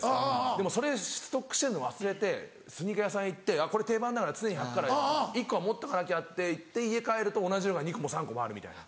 でもそれストックしてるの忘れてスニーカー屋さん行ってこれ定番だから常に履くから１個は持っとかなきゃといって家帰ると同じのが２個も３個もあるみたいな。